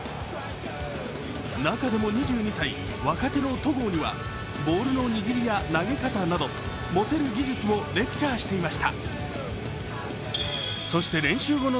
中でも２２歳若手の戸郷にはボールの握りや投げ方など、持てる技術をレクチャーしていました。